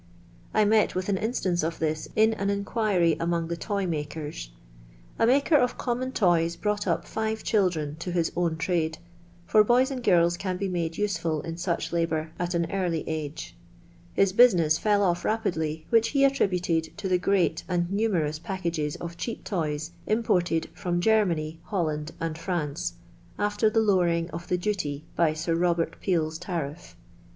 I met with an instance of this in an inquiry among the toy makers. A maker of common toys brought up five children to his own trade, for boys and girls can be made useful in such labour at an early age. His business fell off rapidly, which he attributed to the great and numerous packages of cheap toys imported from Germany, Holland, and France, after the lower ing of the duty by Sir Robert Peel's tariff!